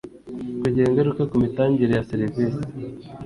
kugira ingaruka ku mitangire ya serivisi